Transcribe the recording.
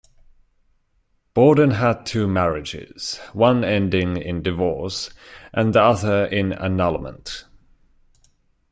Borden had two marriages, one ending in divorce and the other in annulment.